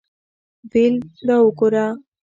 ویل دا وګوره.